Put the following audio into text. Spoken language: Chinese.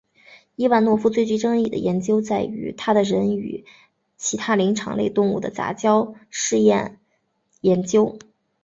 伊万诺夫最具争议的研究在于他的人与其他灵长类动物的杂交试验研究。